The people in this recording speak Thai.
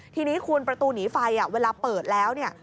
ทีนี้คุณประตูหนีไฟเวลาเปิดแล้วเนี่ย